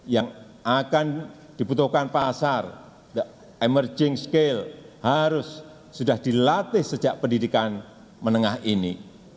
yang akan dibutuhkan pasar emerging skill harus sudah dilatih sejak pendidikan menengah ini